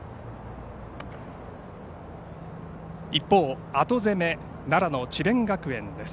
一方、後攻め奈良の智弁学園です。